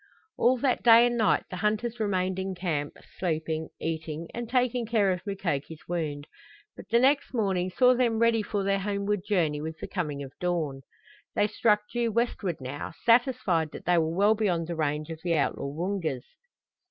All that day and night the hunters remained in camp, sleeping, eating and taking care of Mukoki's wound, but the next morning saw them ready for their homeward journey with the coming of dawn. They struck due westward now, satisfied that they were well beyond the range of the outlaw Woongas.